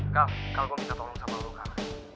kau kau gue minta tolong sama lu kau